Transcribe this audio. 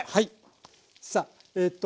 さあえと